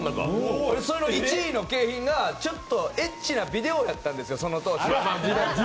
その１位の景品が、ちょっとエッチなビデオだったんですよ、その当時。